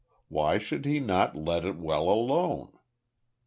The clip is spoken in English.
Why should he not let well alone?